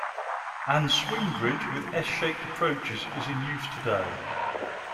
An swing bridge with S-shaped approaches is in use today.